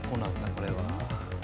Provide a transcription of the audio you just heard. これは。